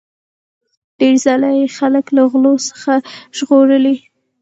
ډیر ځله یې خلک له غلو څخه ژغورلي.